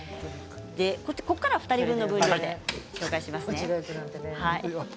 ここからは２人分の分量でご紹介します。